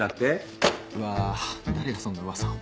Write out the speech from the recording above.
うわあ誰がそんな噂を。